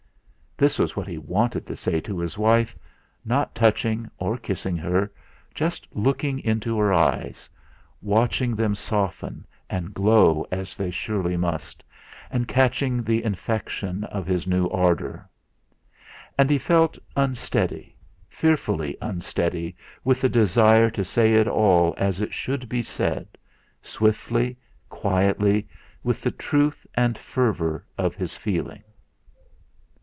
This was what he wanted to say to his wife, not touching, or kissing her, just looking into her eyes, watching them soften and glow as they surely must, catching the infection of his new ardour. And he felt unsteady, fearfully unsteady with the desire to say it all as it should be said: swiftly, quietly, with the truth and fervour of his feeling.